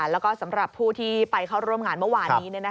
แล้วก็สำหรับผู้ที่ไปเข้าร่วมงานเมื่อวานนี้